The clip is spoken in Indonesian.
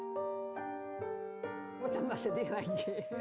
mau tambah sedih lagi